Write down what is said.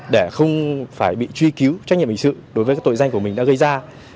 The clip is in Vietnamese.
để không phải bị truy cứu trách nhiệm hình sự đối với các tội danh của mình đã gây ra